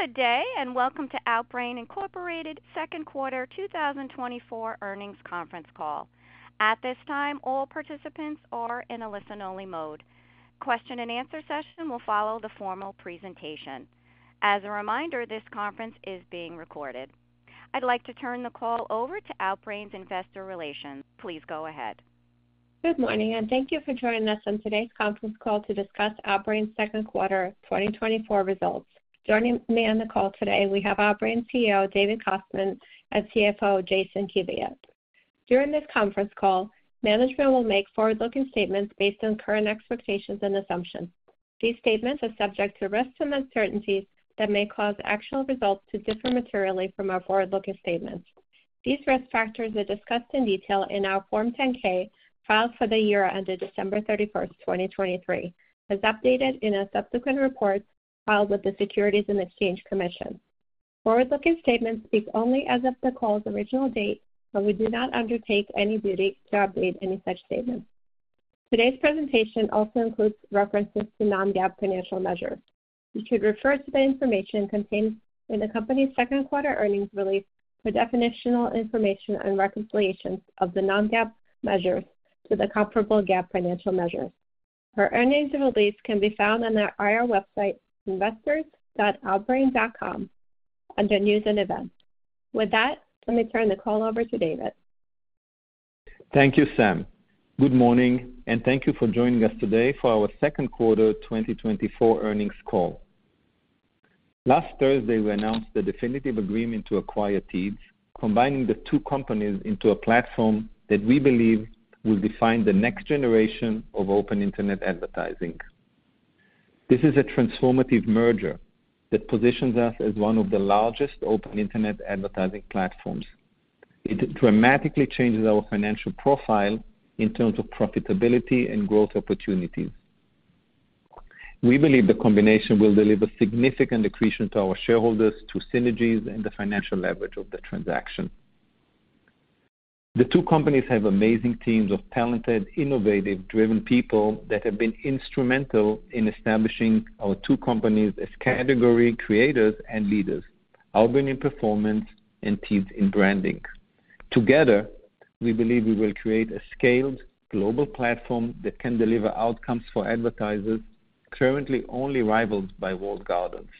Good day, and welcome to Outbrain Incorporated Second Quarter 2024 Earnings Conference Call. At this time, all participants are in a listen-only mode. Question and answer session will follow the formal presentation. As a reminder, this conference is being recorded. I'd like to turn the call over to Outbrain's Investor Relations. Please go ahead. Good morning, and thank you for joining us on today's conference call to discuss Outbrain's second quarter 2024 results. Joining me on the call today, we have Outbrain CEO, David Kostman, and CFO, Jason Kiviat. During this conference call, management will make forward-looking statements based on current expectations and assumptions. These statements are subject to risks and uncertainties that may cause actual results to differ materially from our forward-looking statements. These risk factors are discussed in detail in our Form 10-K, filed for the year ended December 31, 2023, as updated in a subsequent report filed with the Securities and Exchange Commission. Forward-looking statements speak only as of the call's original date, but we do not undertake any duty to update any such statements. Today's presentation also includes references to non-GAAP financial measures. You should refer to the information contained in the company's second quarter earnings release for definitional information and reconciliations of the non-GAAP measures to the comparable GAAP financial measures. Our earnings release can be found on our IR website, investors.outbrain.com, under News and Events. With that, let me turn the call over to David. Thank you, Sam. Good morning, and thank you for joining us today for our Second Quarter 2024 Earnings Call. Last Thursday, we announced the definitive agreement to acquire Teads, combining the two companies into a platform that we believe will define the next generation of open internet advertising. This is a transformative merger that positions us as one of the largest open internet advertising platforms. It dramatically changes our financial profile in terms of profitability and growth opportunities. We believe the combination will deliver significant accretion to our shareholders, through synergies and the financial leverage of the transaction. The two companies have amazing teams of talented, innovative, driven people that have been instrumental in establishing our two companies as category creators and leaders, Outbrain in performance and Teads in branding. Together, we believe we will create a scaled global platform that can deliver outcomes for advertisers currently only rivaled by walled gardens.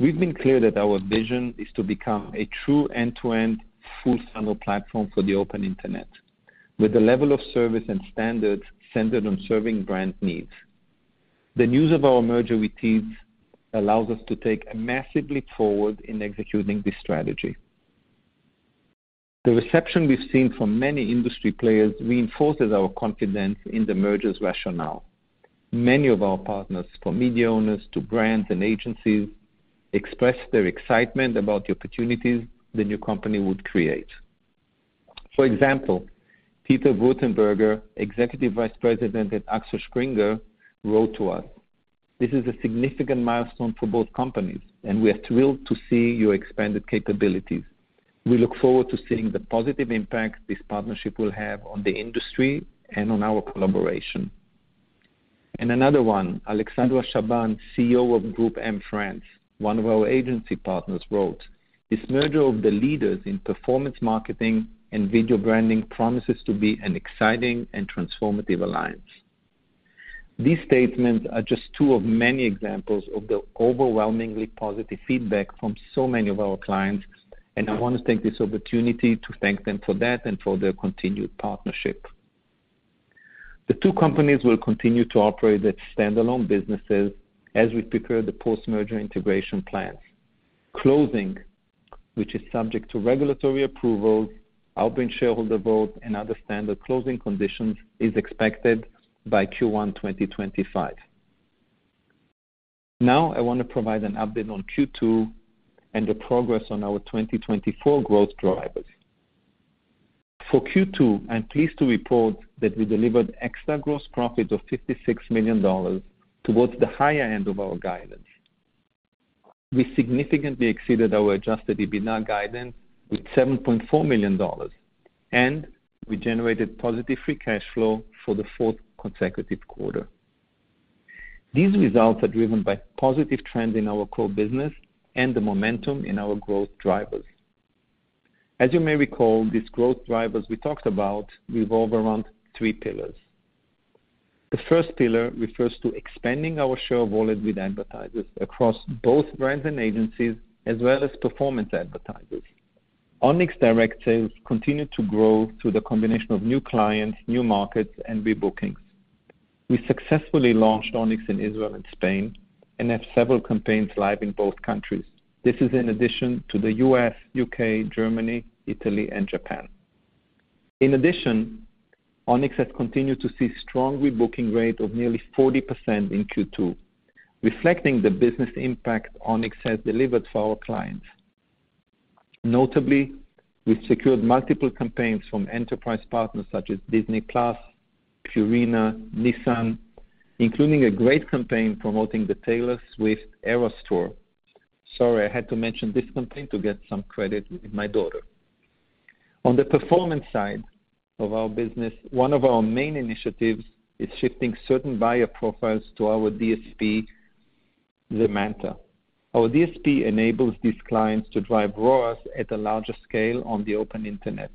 We've been clear that our vision is to become a true end-to-end, full-funnel platform for the open internet, with a level of service and standards centered on serving brand needs. The news of our merger with Teads allows us to take a massive leap forward in executing this strategy. The reception we've seen from many industry players reinforces our confidence in the merger's rationale. Many of our partners, from media owners to brands and agencies, expressed their excitement about the opportunities the new company would create. For example, Peter Würtenberger, Executive Vice President at Axel Springer, wrote to us: "This is a significant milestone for both companies, and we are thrilled to see your expanded capabilities. We look forward to seeing the positive impact this partnership will have on the industry and on our collaboration." Another one, Alexandra Chabanne, CEO of GroupM France, one of our agency partners, wrote: "This merger of the leaders in performance marketing and video branding promises to be an exciting and transformative alliance." These statements are just two of many examples of the overwhelmingly positive feedback from so many of our clients, and I want to take this opportunity to thank them for that and for their continued partnership. The two companies will continue to operate as standalone businesses as we prepare the post-merger integration plans. Closing, which is subject to regulatory approval, Outbrain shareholder vote, and other standard closing conditions, is expected by Q1 2025. Now, I want to provide an update on Q2 and the progress on our 2024 growth drivers. For Q2, I'm pleased to report that we delivered extra gross profits of $56 million towards the higher end of our guidance. We significantly exceeded our adjusted EBITDA guidance with $7.4 million, and we generated positive free cash flow for the fourth consecutive quarter. These results are driven by positive trends in our core business and the momentum in our growth drivers. As you may recall, these growth drivers we talked about revolve around three pillars. The first pillar refers to expanding our share of wallet with advertisers across both brands and agencies, as well as performance advertisers. Onyx direct sales continued to grow through the combination of new clients, new markets, and rebookings. We successfully launched Onyx in Israel and Spain and have several campaigns live in both countries. This is in addition to the U.S., U.K., Germany, Italy, and Japan. In addition, Onyx has continued to see strong rebooking rate of nearly 40% in Q2, reflecting the business impact Onyx has delivered for our clients. Notably, we've secured multiple campaigns from enterprise partners such as Disney+, Purina, Nissan, including a great campaign promoting the Taylor Swift Eras Tour. Sorry, I had to mention this campaign to get some credit with my daughter.... On the performance side of our business, one of our main initiatives is shifting certain buyer profiles to our DSP, Zemanta. Our DSP enables these clients to drive ROAS at a larger scale on the open internet,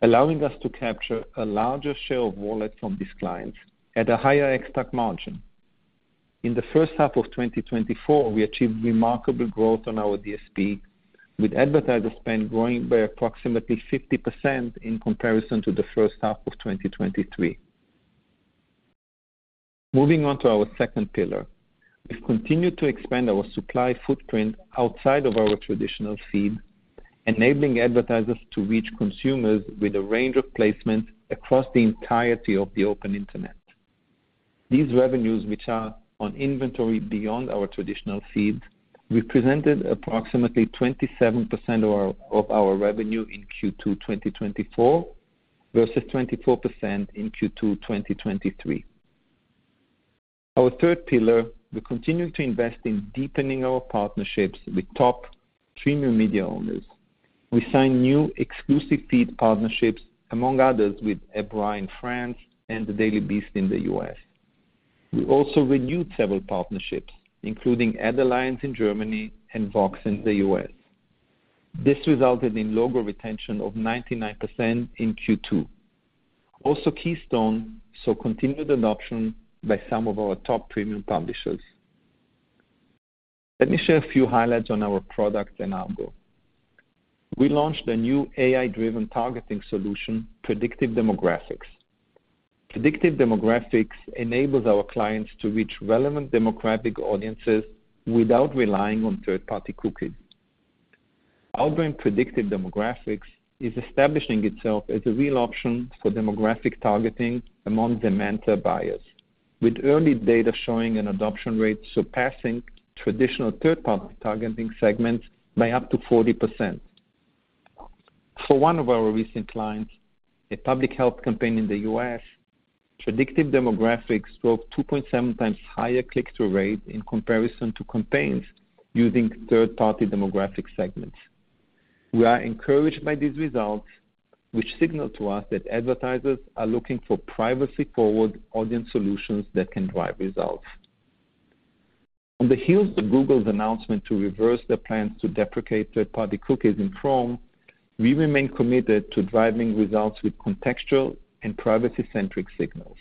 allowing us to capture a larger share of wallet from these clients at a higher ex-TAC margin. In the first half of 2024, we achieved remarkable growth on our DSP, with advertiser spend growing by approximately 50% in comparison to the first half of 2023. Moving on to our second pillar. We've continued to expand our supply footprint outside of our traditional feed, enabling advertisers to reach consumers with a range of placements across the entirety of the open internet. These revenues, which are on inventory beyond our traditional feed, represented approximately 27% of our, of our revenue in Q2 2024, versus 24% in Q2 2023. Our third pillar, we continue to invest in deepening our partnerships with top premium media owners. We signed new exclusive feed partnerships, among others, with EBRA in France and The Daily Beast in the U.S. We also renewed several partnerships, including Ad Alliance in Germany and Vox in the U.S. This resulted in logo retention of 99% in Q2. Also, Keystone, so continued adoption by some of our top premium publishers. Let me share a few highlights on our products and algo. We launched a new AI-driven targeting solution, Predictive Demographics. Predictive Demographics enables our clients to reach relevant demographic audiences without relying on third-party cookies. Outbrain Predictive Demographics is establishing itself as a real option for demographic targeting among demand buyers, with early data showing an adoption rate surpassing traditional third-party targeting segments by up to 40%. For one of our recent clients, a public health campaign in the U.S., Predictive Demographics drove 2.7x higher click-through rate in comparison to campaigns using third-party demographic segments. We are encouraged by these results, which signal to us that advertisers are looking for privacy-forward audience solutions that can drive results. On the heels of Google's announcement to reverse their plans to deprecate third-party cookies in Chrome, we remain committed to driving results with contextual and privacy-centric signals.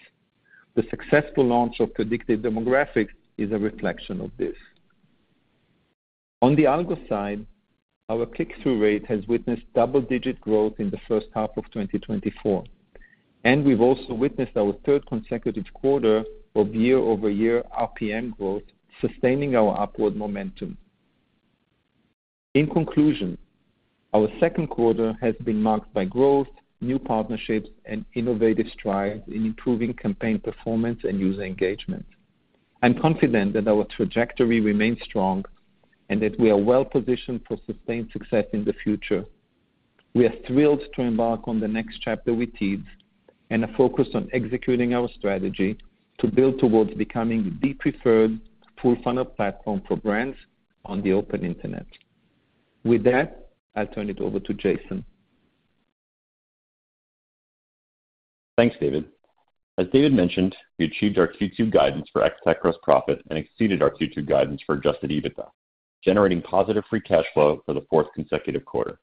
The successful launch of Predictive Demographics is a reflection of this. On the algo side, our click-through rate has witnessed double-digit growth in the first half of 2024, and we've also witnessed our third consecutive quarter of year-over-year RPM growth, sustaining our upward momentum. In conclusion, our second quarter has been marked by growth, new partnerships, and innovative strides in improving campaign performance and user engagement. I'm confident that our trajectory remains strong and that we are well positioned for sustained success in the future. We are thrilled to embark on the next chapter with Teads and are focused on executing our strategy to build towards becoming the preferred full funnel platform for brands on the open internet. With that, I'll turn it over to Jason. Thanks, David. As David mentioned, we achieved our Q2 guidance for ex-TAC gross profit and exceeded our Q2 guidance for Adjusted EBITDA, generating positive free cash flow for the fourth consecutive quarter.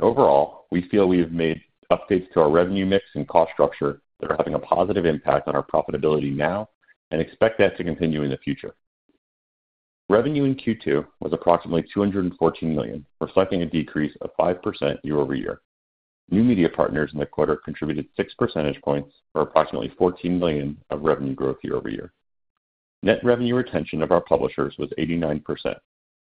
Overall, we feel we have made updates to our revenue mix and cost structure that are having a positive impact on our profitability now and expect that to continue in the future. Revenue in Q2 was approximately $214 million, reflecting a decrease of 5% year-over-year. New media partners in the quarter contributed 6% points, or approximately $14 million, of revenue growth year-over-year. Net revenue retention of our publishers was 89%,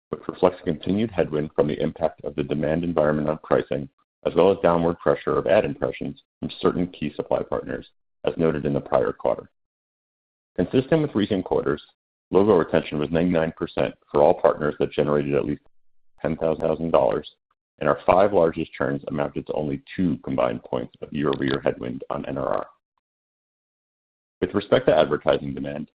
which reflects continued headwind from the impact of the demand environment on pricing, as well as downward pressure of ad impressions from certain key supply partners, as noted in the prior quarter. Consistent with recent quarters, logo retention was 99% for all partners that generated at least $10,000, and our five largest churns amounted to only two combined points of year-over-year headwind on NRR. With respect to advertising demand,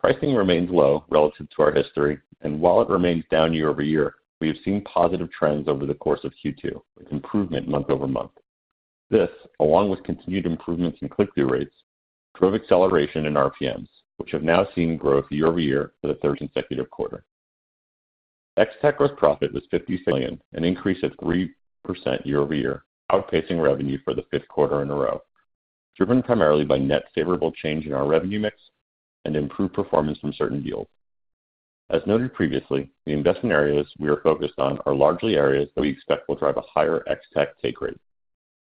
pricing remains low relative to our history, and while it remains down year-over-year, we have seen positive trends over the course of Q2, with improvement month-over-month. This, along with continued improvements in click-through rates, drove acceleration in RPMs, which have now seen growth year-over-year for the third consecutive quarter. ex-TAC gross profit was $50 million, an increase of 3% year-over-year, outpacing revenue for the fifth quarter in a row, driven primarily by net favorable change in our revenue mix and improved performance from certain deals. As noted previously, the investment areas we are focused on are largely areas that we expect will drive a higher ex-TAC take rate,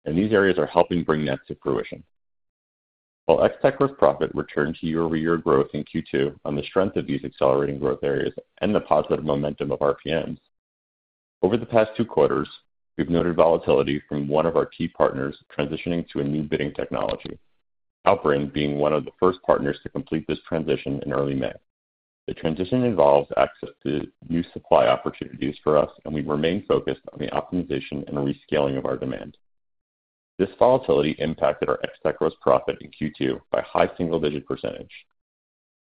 and these areas are helping bring that to fruition. While ex-TAC gross profit returned to year-over-year growth in Q2 on the strength of these accelerating growth areas and the positive momentum of RPMs, over the past two quarters, we've noted volatility from one of our key partners transitioning to a new bidding technology, Outbrain being one of the first partners to complete this transition in early May. The transition involves access to new supply opportunities for us, and we remain focused on the optimization and rescaling of our demand. This volatility impacted our ex-TAC gross profit in Q2 by high single-digit %.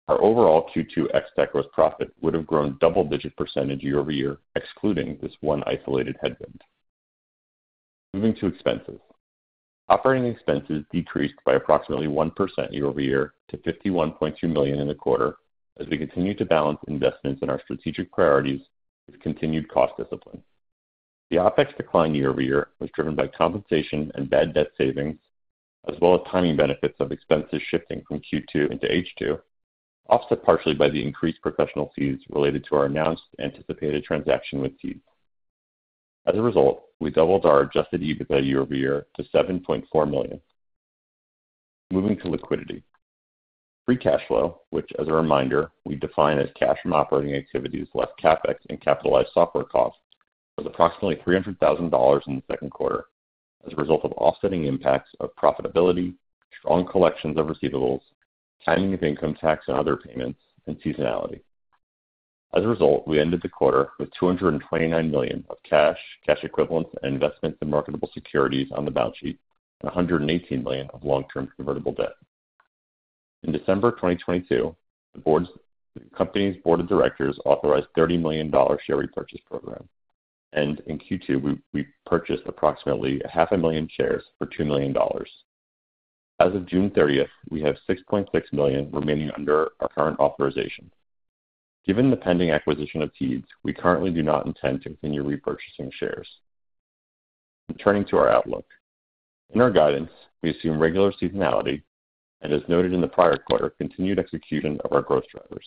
Our overall Q2 ex-TAC gross profit would have grown double-digit % year-over-year, excluding this one isolated headwind. Moving to expenses. Operating expenses decreased by approximately 1% year-over-year to $51.2 million in the quarter, as we continued to balance investments in our strategic priorities with continued cost discipline. The OpEx decline year-over-year was driven by compensation and bad debt savings, as well as timing benefits of expenses shifting from Q2 into H2, offset partially by the increased professional fees related to our announced anticipated transaction with Teads. As a result, we doubled our adjusted EBITDA year-over-year to $7.4 million. Moving to liquidity. Free cash flow, which, as a reminder, we define as cash from operating activities, less CapEx and capitalized software costs, was approximately $300,000 in the second quarter as a result of offsetting the impacts of profitability, strong collections of receivables, timing of income tax and other payments, and seasonality. As a result, we ended the quarter with $229 million of cash, cash equivalents, and investments in marketable securities on the balance sheet, and $118 million of long-term convertible debt. In December 2022, the company's board of directors authorized $30 million share repurchase program, and in Q2, we purchased approximately 500,000 shares for $2 million. As of June 30, we have $6.6 million remaining under our current authorization. Given the pending acquisition of Teads, we currently do not intend to continue repurchasing shares. Turning to our outlook. In our guidance, we assume regular seasonality and, as noted in the prior quarter, continued execution of our growth drivers.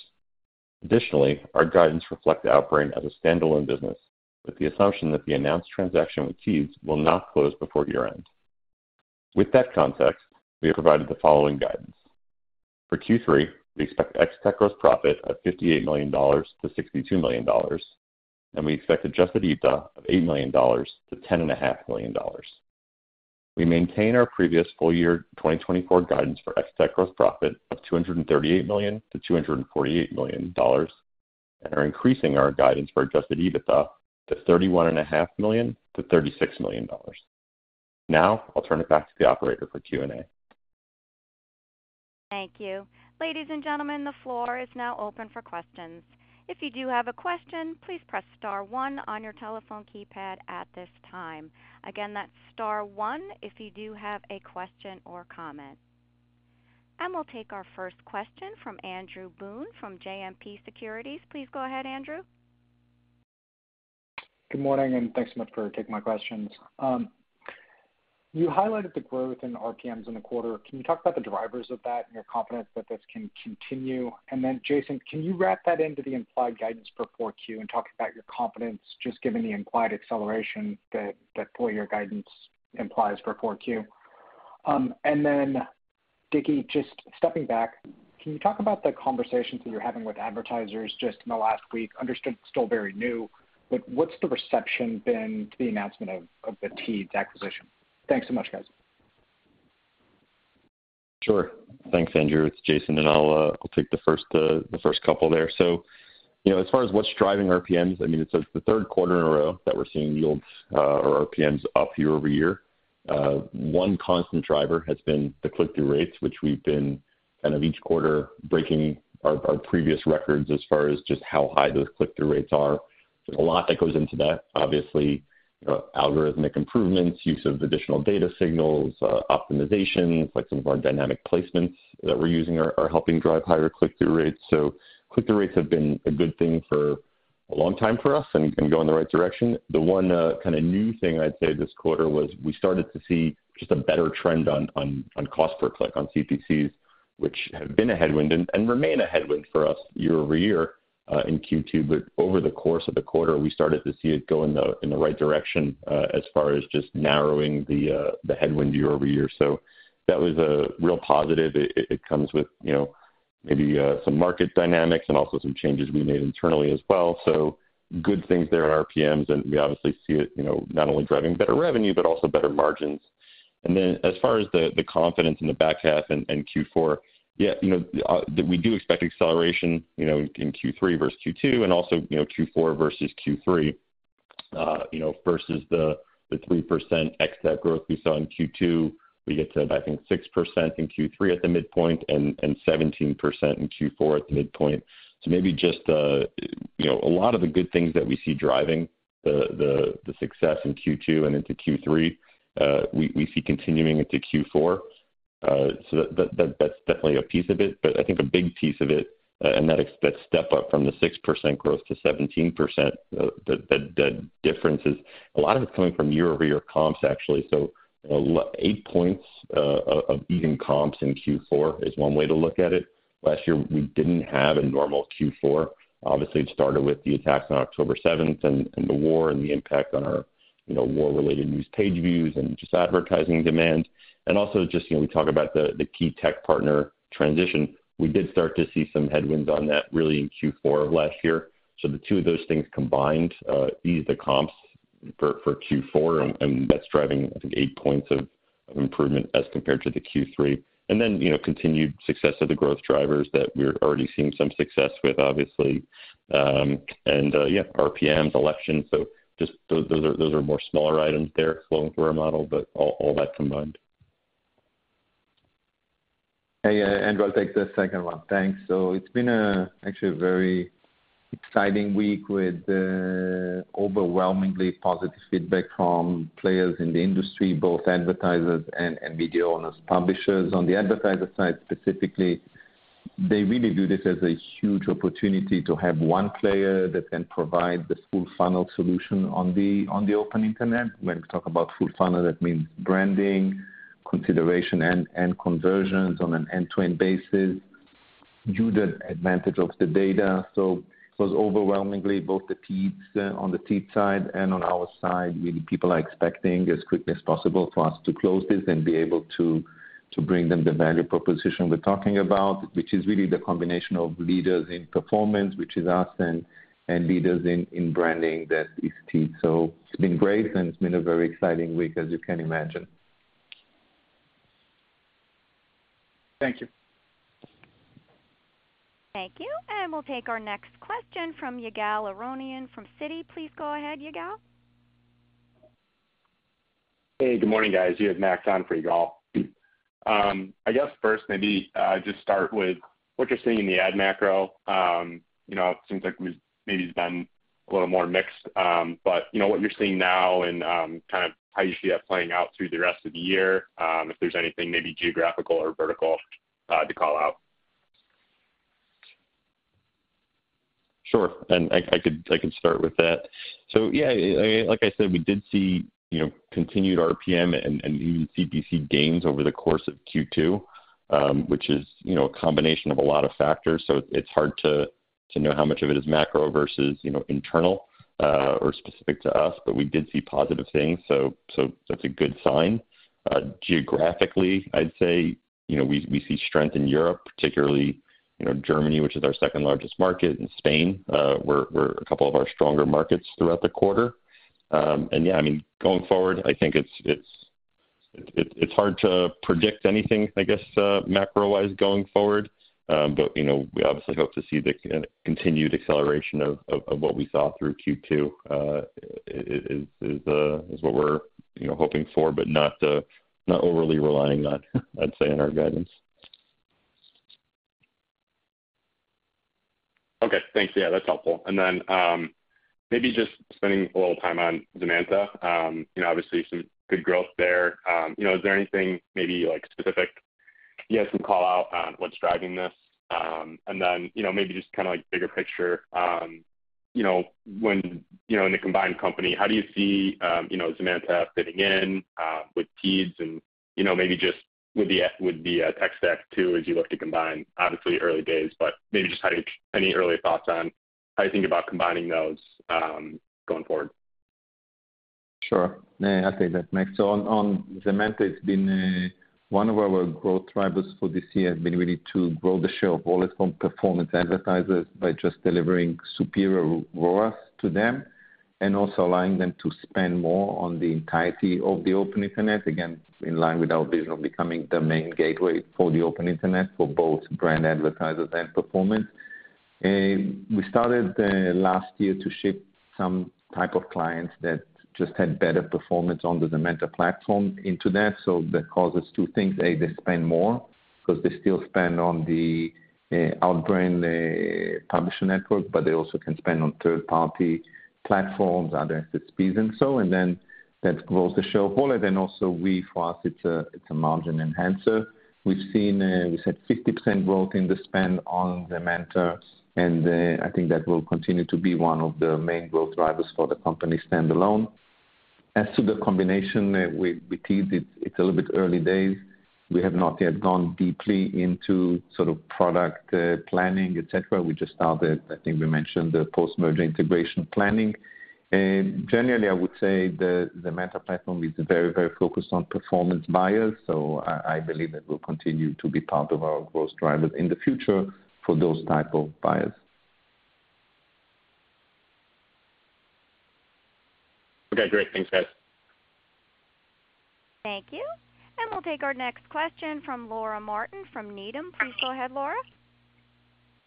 Additionally, our guidance reflect Outbrain as a standalone business, with the assumption that the announced transaction with Teads will not close before year-end. With that context, we have provided the following guidance: For Q3, we expect ex-TAC gross profit of $58 million-$62 million, and we expect adjusted EBITDA of $8 million-$10.5 million. We maintain our previous full year 2024 guidance for ex-TAC gross profit of $238 million-$248 million, and are increasing our guidance for adjusted EBITDA to $31.5 million-$36 million. Now I'll turn it back to the operator for Q&A. Thank you. Ladies and gentlemen, the floor is now open for questions. If you do have a question, please press star one on your telephone keypad at this time. Again, that's star one if you do have a question or comment. We'll take our first question from Andrew Boone from JMP Securities. Please go ahead, Andrew. Good morning, and thanks so much for taking my questions. You highlighted the growth in RPMs in the quarter. Can you talk about the drivers of that and you're confident that this can continue? And then, Jason, can you wrap that into the implied guidance for 4Q and talk about your confidence, just given the implied acceleration that full year guidance implies for 4Q? And then, David, just stepping back, can you talk about the conversations that you're having with advertisers just in the last week? Understand it's still very new, but what's the reception been to the announcement of the Teads acquisition? Thanks so much, guys. Sure. Thanks, Andrew. It's Jason, and I'll take the first couple there. So, you know, as far as what's driving RPMs, I mean, it's the third quarter in a row that we're seeing yields or RPMs up year over year. One constant driver has been the click-through rates, which we've been kind of each quarter breaking our previous records as far as just how high those click-through rates are. There's a lot that goes into that. Obviously, algorithmic improvements, use of additional data signals, optimizations, like some of our dynamic placements that we're using are helping drive higher click-through rates. So click-through rates have been a good thing for a long time for us and go in the right direction. The one, kinda new thing I'd say this quarter was we started to see just a better trend on cost per click on CPCs, which have been a headwind and remain a headwind for us year-over-year in Q2. But over the course of the quarter, we started to see it go in the right direction as far as just narrowing the headwind year-over-year. So that was a real positive. It comes with, you know, maybe some market dynamics and also some changes we made internally as well. So good things there at RPMs, and we obviously see it, you know, not only driving better revenue, but also better margins. Then as far as the confidence in the back half and Q4, yeah, you know, we do expect acceleration, you know, in Q3 vs Q2, and also, you know, Q4 vs Q3. You know, vs the 3% ex-TAC growth we saw in Q2, we get to, I think, 6% in Q3 at the midpoint and 17% in Q4 at the midpoint. So maybe just, you know, a lot of the good things that we see driving the success in Q2 and into Q3, we see continuing into Q4. So that, that's definitely a piece of it, but I think a big piece of it, and that step up from the 6% growth to 17%, the difference is a lot of it's coming from year-over-year comps, actually. So, eight points of beaten comps in Q4 is one way to look at it. Last year, we didn't have a normal Q4. Obviously, it started with the attacks on October seventh and the war and the impact on our, you know, war-related news page views and just advertising demand. And also just, you know, we talk about the key tech partner transition. We did start to see some headwinds on that really in Q4 of last year. So the two of those things combined ease the comps for Q4, and that's driving, I think, eight points of improvement as compared to the Q3. And then, you know, continued success of the growth drivers that we're already seeing some success with, obviously. Yeah, RPMs, elections. So just those are more smaller items there flowing through our model, but all that combined.... Hey, and we'll take the second one. Thanks. So it's been actually very exciting week with, overwhelmingly positive feedback from players in the industry, both advertisers and, and video owners, publishers. On the advertiser side, specifically, they really view this as a huge opportunity to have one player that can provide the full funnel solution on the, on the open internet. When we talk about full funnel, that means branding, consideration, and, and conversions on an end-to-end basis, due the advantage of the data. So it was overwhelmingly both the Teads on the Teads side and on our side, really, people are expecting as quickly as possible for us to close this and be able to bring them the value proposition we're talking about, which is really the combination of leaders in performance, which is us, and leaders in branding that is Teads. So it's been great, and it's been a very exciting week, as you can imagine. Thank you. Thank you, and we'll take our next question from Yigal Arounian from Citi. Please go ahead, Yigal. Hey, good morning, guys. You have Max on for Yigal. I guess first, maybe, just start with what you're seeing in the ad macro. You know, it seems like we've maybe been a little more mixed, but you know, what you're seeing now and, kind of how you see that playing out through the rest of the year, if there's anything maybe geographical or vertical, to call out. Sure. I can start with that. So yeah, like I said, we did see, you know, continued RPM and even CPC gains over the course of Q2, which is, you know, a combination of a lot of factors. So it's hard to know how much of it is macro versus, you know, internal, or specific to us, but we did see positive things, so that's a good sign. Geographically, I'd say, you know, we see strength in Europe, particularly, you know, Germany, which is our second largest market, and Spain were a couple of our stronger markets throughout the quarter. And yeah, I mean, going forward, I think it's hard to predict anything, I guess, macro-wise going forward. But, you know, we obviously hope to see the continued acceleration of what we saw through Q2, is what we're, you know, hoping for, but not overly relying on, I'd say, in our guidance. Okay. Thanks. Yeah, that's helpful. And then, maybe just spending a little time on Zemanta. You know, obviously some good growth there. You know, is there anything maybe, like, specific you guys can call out on what's driving this? And then, you know, maybe just kind of, like, bigger picture, you know, when, you know, in the combined company, how do you see, you know, Zemanta fitting in, with Teads and, you know, maybe just with the tech stack, too, as you look to combine? Obviously, early days, but maybe just how you... Any early thoughts on how you think about combining those, going forward? Sure. Yeah, I'll take that, Max. So on Zemanta, it's been one of our growth drivers for this year has been really to grow the share of wallet from performance advertisers by just delivering superior ROAS to them, and also allowing them to spend more on the entirety of the open internet, again, in line with our vision of becoming the main gateway for the open internet for both brand advertisers and performance. We started last year to ship some type of clients that just had better performance on the Zemanta platform into that, so that causes two things. A, they spend more, because they still spend on the Outbrain publisher network, but they also can spend on third-party platforms, other SSPs and so, and then that grows the share of wallet. And also we, for us, it's a margin enhancer. We've seen, we've had 50% growth in the spend on Zemanta, and, I think that will continue to be one of the main growth drivers for the company standalone. As to the combination with, with Teads, it's, it's a little bit early days. We have not yet gone deeply into sort of product, planning, et cetera. We just started, I think we mentioned, the post-merger integration planning. Generally, I would say the Zemanta platform is very, very focused on performance buyers, so I, I believe it will continue to be part of our growth drivers in the future for those type of buyers. Okay, great. Thanks, guys. Thank you. We'll take our next question from Laura Martin, from Needham. Please go ahead, Laura.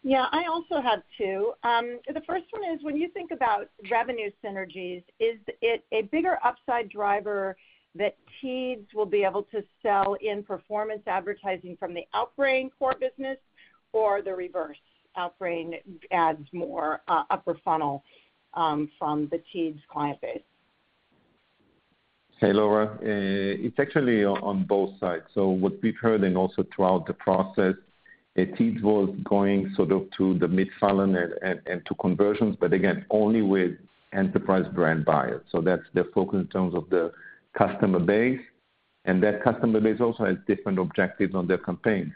Yeah, I also have two. The first one is, when you think about revenue synergies, is it a bigger upside driver that Teads will be able to sell in performance advertising from the Outbrain core business or the reverse? Outbrain adds more upper funnel from the Teads client base. Hey, Laura. It's actually on both sides. So what we've heard and also throughout the process, that Teads was going sort of to the mid-funnel and to conversions, but again, only with enterprise brand buyers. So that's the focus in terms of the customer base, and that customer base also has different objectives on their campaigns.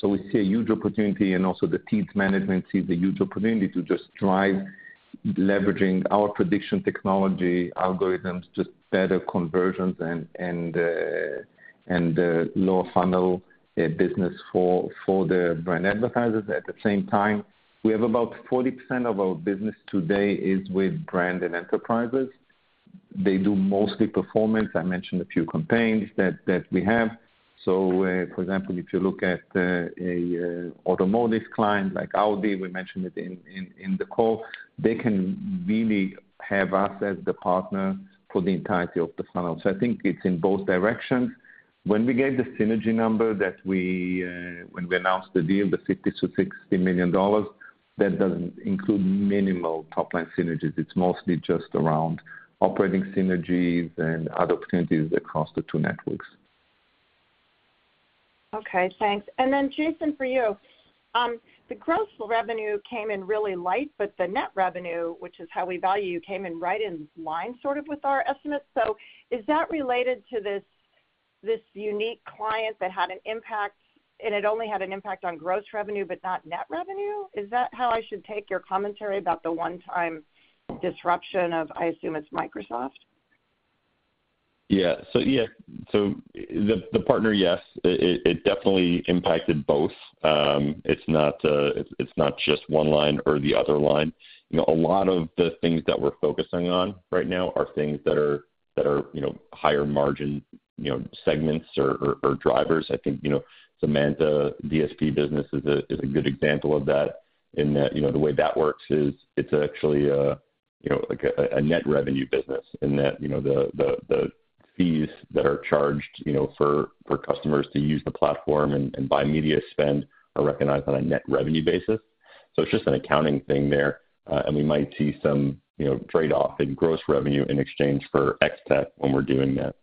So we see a huge opportunity, and also the Teads management sees a huge opportunity to just drive leveraging our prediction technology algorithms to better conversions and lower funnel business for the brand advertisers. At the same time, we have about 40% of our business today is with brand and enterprises. They do mostly performance. I mentioned a few campaigns that we have.... So, for example, if you look at an automotive client like Audi, we mentioned it in the call, they can really have us as the partner for the entirety of the funnel. So I think it's in both directions. When we gave the synergy number that we when we announced the deal, the $50-$60 million, that doesn't include minimal top-line synergies. It's mostly just around operating synergies and other opportunities across the two networks. Okay, thanks. And then, Jason, for you, the gross revenue came in really light, but the net revenue, which is how we value, came in right in line, sort of, with our estimates. So is that related to this unique client that had an impact, and it only had an impact on gross revenue, but not net revenue? Is that how I should take your commentary about the one-time disruption of, I assume it's Microsoft? Yeah. So, yeah, so the partner, yes, it definitely impacted both. It's not, it's not just one line or the other line. You know, a lot of the things that we're focusing on right now are things that are, you know, higher margin, you know, segments or drivers. I think, you know, the Zemanta DSP business is a good example of that, in that, you know, the way that works is it's actually a, you know, like a net revenue business. In that, you know, the fees that are charged, you know, for customers to use the platform and buy media spend are recognized on a net revenue basis. It's just an accounting thing there, and we might see some, you know, trade-off in gross revenue in exchange for ex-TAC when we're doing that.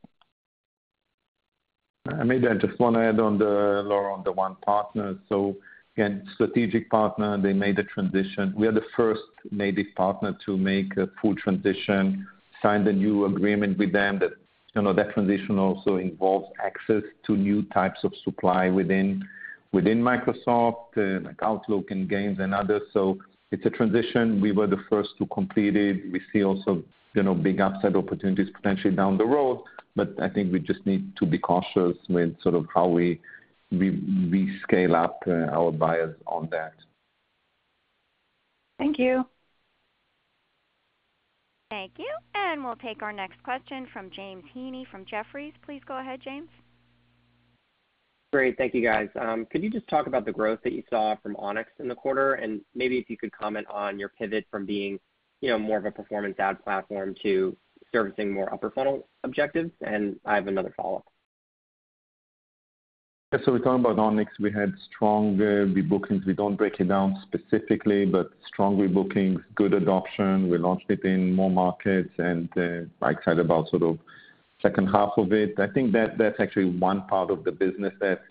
Maybe I just wanna add on the, Laura, on the one partner. So again, strategic partner, they made a transition. We are the first native partner to make a full transition, signed a new agreement with them that, you know, that transition also involves access to new types of supply within Microsoft, like Outlook, and Games, and others. So it's a transition. We were the first to complete it. We see also, you know, big upside opportunities potentially down the road, but I think we just need to be cautious with sort of how we scale up our buyers on that. Thank you. Thank you. We'll take our next question from James Heaney from Jefferies. Please go ahead, James. Great. Thank you, guys. Could you just talk about the growth that you saw from Onyx in the quarter? And maybe if you could comment on your pivot from being, you know, more of a performance ad platform to servicing more upper funnel objectives. And I have another follow-up. So we talked about Onyx. We had strong rebookings. We don't break it down specifically, but strong rebookings, good adoption. We launched it in more markets, and I'm excited about sort of second half of it. I think that that's actually one part of the business that,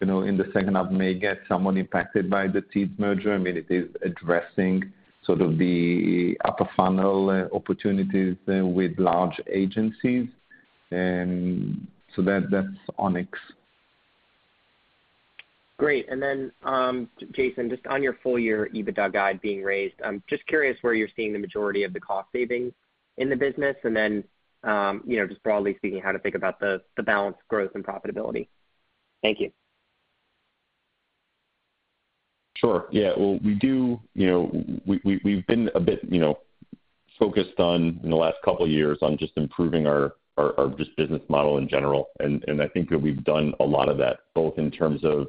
you know, in the second half, may get somewhat impacted by the Teads merger. I mean, it is addressing sort of the upper funnel opportunities with large agencies. And so that, that's Onyx. Great. And then, Jason, just on your full year EBITDA guide being raised, I'm just curious where you're seeing the majority of the cost savings in the business, and then, you know, just broadly speaking, how to think about the balance, growth, and profitability. Thank you. Sure, yeah. Well, we do... You know, we've been a bit, you know, focused on, in the last couple of years, on just improving our business model in general, and I think that we've done a lot of that, both in terms of,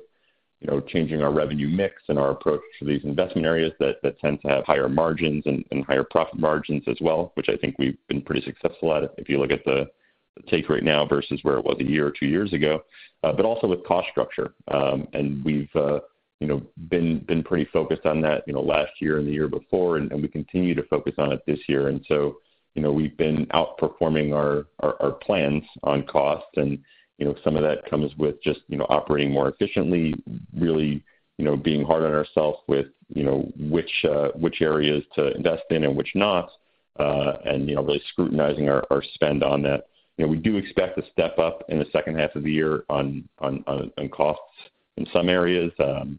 you know, changing our revenue mix and our approach to these investment areas that tend to have higher margins and higher profit margins as well, which I think we've been pretty successful at, if you look at the take right now versus where it was a year or two years ago, but also with cost structure. And we've, you know, been pretty focused on that, you know, last year and the year before, and we continue to focus on it this year. You know, we've been outperforming our plans on costs, and, you know, some of that comes with just, you know, operating more efficiently, really, you know, being hard on ourselves with, you know, which areas to invest in and which not, and, you know, really scrutinizing our spend on that. You know, we do expect to step up in the second half of the year on costs in some areas.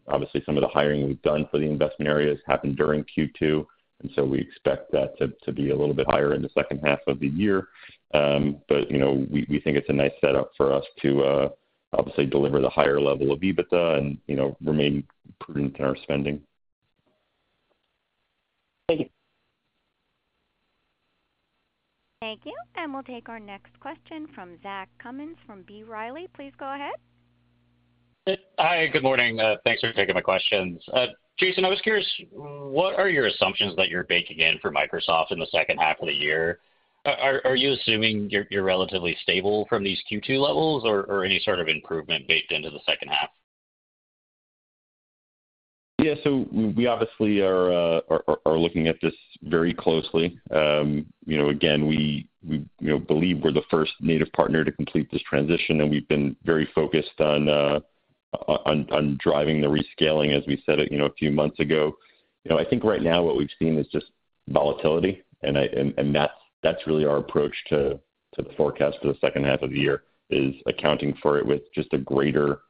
Obviously, some of the hiring we've done for the investment areas happened during Q2, and so we expect that to be a little bit higher in the second half of the year. But, you know, we think it's a nice setup for us to, obviously, deliver the higher level of EBITDA and, you know, remain prudent in our spending. Thank you. Thank you. And we'll take our next question from Zach Cummins from B. Riley. Please go ahead. Hi, good morning. Thanks for taking my questions. Jason, I was curious, what are your assumptions that you're baking in for Microsoft in the second half of the year? Are you assuming you're relatively stable from these Q2 levels or any sort of improvement baked into the second half? Yeah. So we obviously are looking at this very closely. You know, again, we believe we're the first native partner to complete this transition, and we've been very focused on driving the rescaling, as we said it, you know, a few months ago. You know, I think right now what we've seen is just volatility, and that's really our approach to the forecast for the second half of the year, is accounting for it with just a greater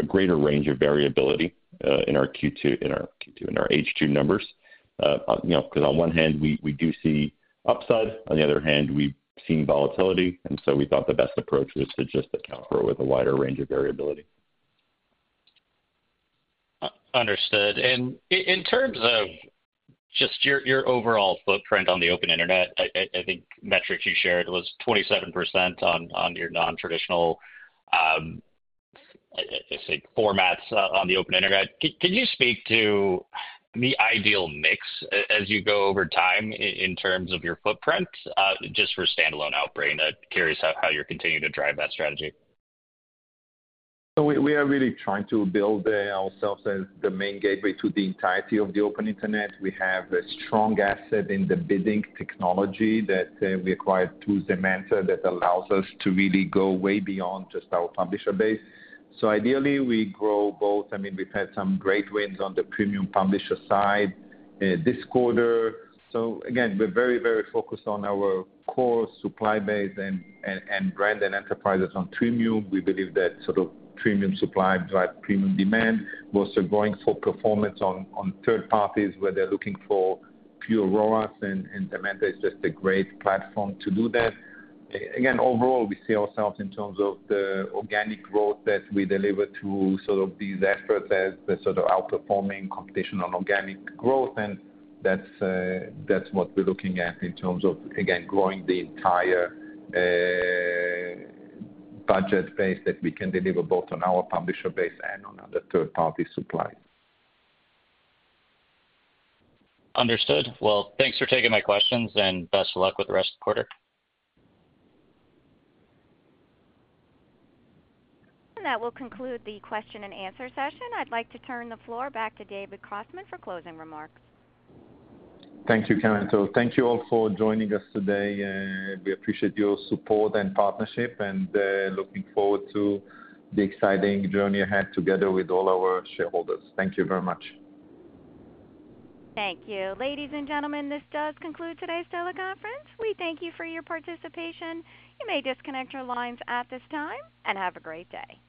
range of variability in our Q2, in our H2 numbers. You know, 'cause on one hand, we do see upside. On the other hand, we've seen volatility, and so we thought the best approach was to just account for it with a wider range of variability.... Understood. And in terms of just your overall footprint on the open internet, I think metrics you shared was 27% on your nontraditional formats on the open internet. Can you speak to the ideal mix as you go over time in terms of your footprint, just for standalone Outbrain? I'm curious how you're continuing to drive that strategy. So we are really trying to build ourselves as the main gateway to the entirety of the open internet. We have a strong asset in the bidding technology that we acquired through Zemandtor that allows us to really go way beyond just our publisher base. So ideally, we grow both. I mean, we've had some great wins on the premium publisher side this quarter. So again, we're very, very focused on our core supply base and brand and enterprises on premium. We believe that sort of premium supply drive premium demand. We're also going for performance on third parties, where they're looking for pure ROAS, and Zemandtor is just a great platform to do that. Again, overall, we see ourselves in terms of the organic growth that we deliver to sort of these efforts as the sort of outperforming competition on organic growth, and that's what we're looking at in terms of, again, growing the entire budget base that we can deliver, both on our publisher base and on other third-party supply. Understood. Well, thanks for taking my questions, and best of luck with the rest of the quarter. That will conclude the question and answer session. I'd like to turn the floor back to David Kostman for closing remarks. Thank you, Karen. Thank you all for joining us today, we appreciate your support and partnership, and looking forward to the exciting journey ahead together with all our shareholders. Thank you very much. Thank you. Ladies and gentlemen, this does conclude today's teleconference. We thank you for your participation. You may disconnect your lines at this time, and have a great day.